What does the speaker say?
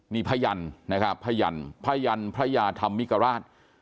มีพ่ายันนะครับพ่ายันพระยาธรรมวิกราช